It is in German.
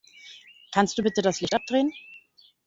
Kannst du bitte das Licht abdrehen?